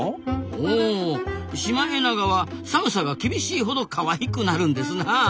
ほうシマエナガは寒さが厳しいほどかわいくなるんですなあ。